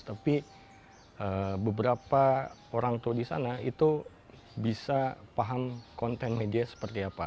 tapi beberapa orang tua di sana itu bisa paham konten media seperti apa